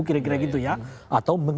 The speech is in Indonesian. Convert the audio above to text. kira kira gitu ya atau